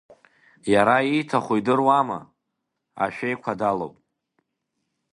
Иара ииҭаху идыруама, ашәеиқәа далоуп.